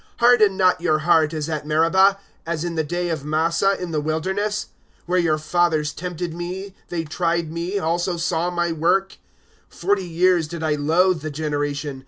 Harden not your heart, as at Meribah, As in the day of Massah, in the wilderness. ^ Where your fathers tempted me. They tried me, also saw my work, ^° Forty years did I loathe the generation